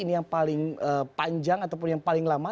ini yang paling panjang ataupun yang paling lama